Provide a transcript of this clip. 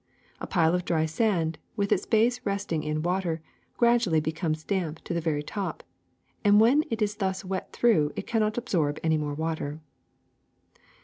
A pile of dry sand, with its base resting in water, gradually becomes damp to the very top, and when it is thus wet through it cannot absorb any more water.